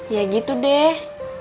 ya gitu deh